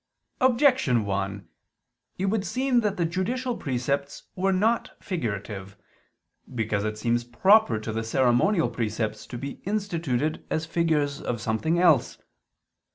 Objection 1: It would seem that the judicial precepts were not figurative. Because it seems proper to the ceremonial precepts to be instituted as figures of something else.